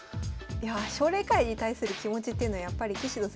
奨励会に対する気持ちっていうのはやっぱり棋士の先生